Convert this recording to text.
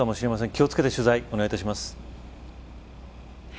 気を付けて取材、お願いします。